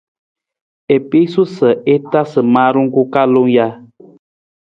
I piisu sa i tasa maarung ku kalung ja?